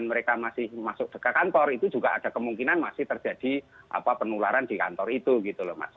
mereka masih masuk ke kantor itu juga ada kemungkinan masih terjadi penularan di kantor itu gitu loh mas